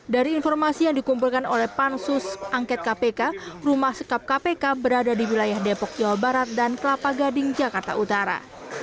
dari informasi yang dikumpulkan oleh pansus angket kpk rumah sekap kpk berada di wilayah depok jawa barat dan kelapa gading jakarta utara